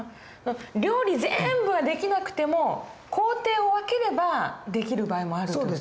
料理全部はできなくても工程を分ければできる場合もある。